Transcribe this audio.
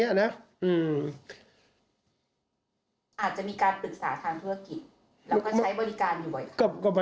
ไม่ขอตอบ